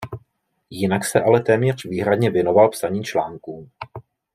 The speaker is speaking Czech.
Jinak se ale téměř výhradně věnoval psaní článků.